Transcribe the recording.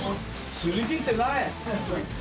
すり切ってなーい。